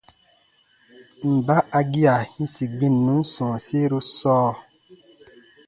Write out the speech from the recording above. Mba a gia yĩsi gbinnun sɔ̃ɔsiru sɔɔ?